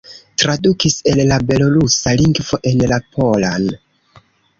Tradukis el la belorusa lingvo en la polan.